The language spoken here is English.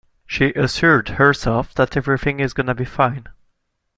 She assured herself that everything is gonna be fine.